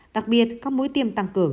đặc biệt các mũi tiêm tăng cường